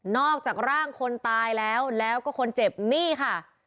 อกจากร่างคนตายแล้วแล้วก็คนเจ็บนี่ค่ะ